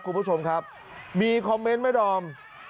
คุณผู้ชมครับมีคอมเมนต์ไหมดอม